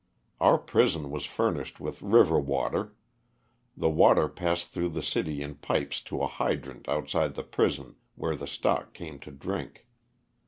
Our prison was furnished with river water. The water passed through the city in pipes to a hydrant outside the prison where the stock came to drink.